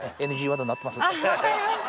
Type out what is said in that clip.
分かりました。